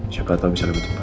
siapa tahu bisa lebih tepat